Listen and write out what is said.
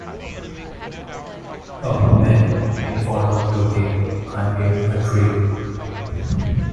A woman in formal clothing climbing a tree.